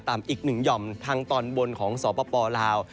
ตามอีกหนึ่งย่อมทางตอนบนของสทธิ์ปพลาว